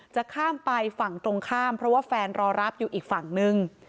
จะข้ามไปฝั่งตรงข้ามเพราะว่าแฟนรอรับอยู่อีกฝั่งนึง